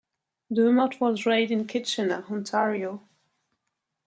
Dumart was raised in Kitchener, Ontario.